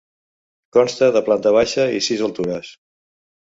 Consta de planta baixa i sis altures.